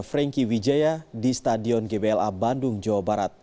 franky wijaya di stadion gbla bandung jawa barat